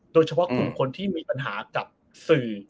เพราะคุณคนที่มีปัญหากับสื่อ